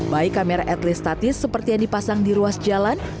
baik kamera at least statis seperti yang dipasang di ruas jalan